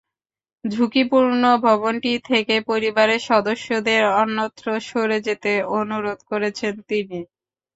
ঝুঁকিপূর্ণ ভবনটি থেকে পরিবারের সদস্যদের অন্যত্র সরে যেতে অনুরোধ করেছেন তিনি।